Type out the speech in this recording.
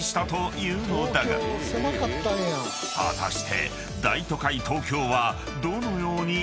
［果たして］